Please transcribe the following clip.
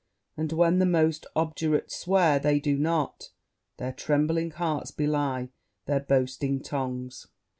And when the most obdurate swear they do not, Their trembling hearts belie their boasting tongues!'